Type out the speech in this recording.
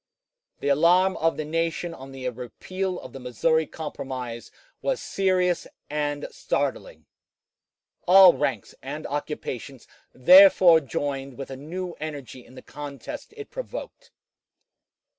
The alarm of the nation on the repeal of the Missouri Compromise was serious and startling. All ranks and occupations therefore joined with a new energy in the contest it provoked.